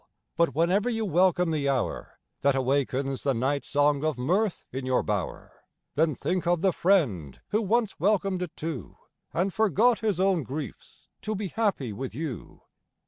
— but whenever you welcome the hour That awakens the night song of mirth in your bower, MOORE 34 T Then think of the friend who once welcomed it too, And forgot his own griefs to be happy with you.